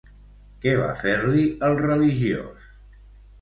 Què va fer-li el religiós?